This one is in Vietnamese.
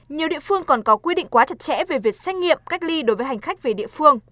nhiều địa phương còn có quy định quá chặt chẽ về việc xét nghiệm cách ly đối với hành khách về địa phương